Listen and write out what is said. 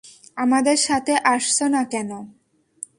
আমাদের সাথে আসছো না কেন?